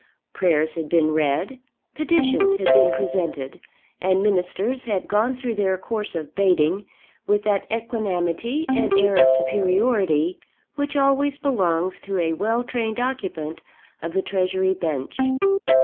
Prayers had been read, petitions had been presented, and Ministers had gone through their course of baiting with that equanimity and air of superiority which always belongs to a well trained occupant of the Treasury bench.